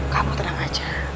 kamu tenang aja